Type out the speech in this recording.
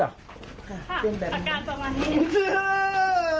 อากาศประมาณนี้